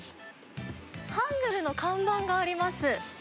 ハングルの看板があります。